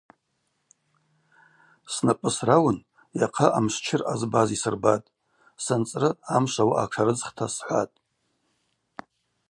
Снапӏы срауын йахъа амшвчыр ъазбаз йсырбатӏ, санцӏры амшв ауаъа тшарыдзхта схӏватӏ.